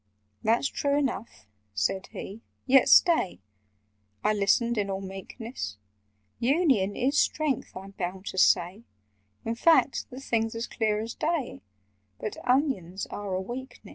"That's true enough," said he, "yet stay—" I listened in all meekness— "Union is strength, I'm bound to say; In fact, the thing's as clear as day; But onions are a weakness."